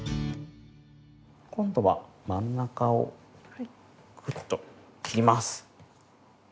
今度は真ん中をグッと切ります。